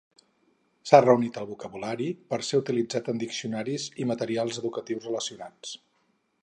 S'ha reunit el vocabulari per ser utilitzat en diccionaris i materials educatius relacionats.